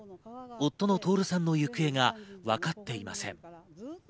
夫の徹さんの行方が分かっていません。